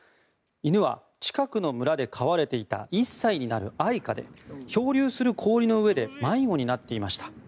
犬は近くの村で飼われていた１歳になるアイカで漂流する氷の上で迷子になっていました。